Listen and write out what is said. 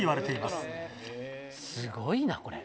すごいなこれ。